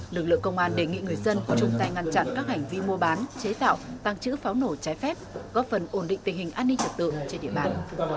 lực lượng công an đề nghị người dân chung tay ngăn chặn các hành vi mua bán chế tạo tăng trữ pháo nổ trái phép góp phần ổn định tình hình an ninh trật tự trên địa bàn